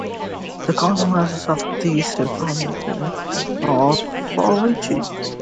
The consequences of these environmental issues are far-reaching.